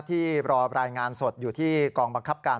ที่รอรายงานสดอยู่ที่กองบังคับการ